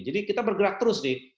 jadi kita bergerak terus nih